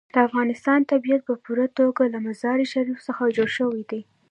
د افغانستان طبیعت په پوره توګه له مزارشریف څخه جوړ شوی دی.